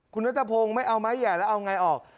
คุณนัทพงศ์ไม่เอาไม้แห่แล้วเอาไงออก